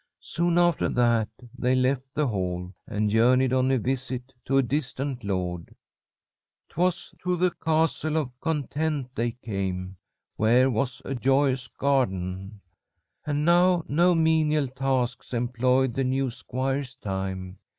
Soon after that, they left the hall, and journeyed on a visit to a distant lord. 'Twas to the Castle of Content they came, where was a joyous garden. And now no menial tasks employed the new squire's time.